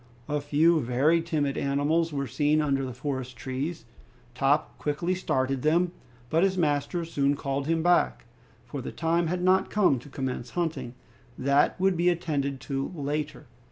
A few very timid animals were seen under the forest trees. Top quickly started them, but his master soon called him back, for the time had not come to commence hunting; that would be attended to later.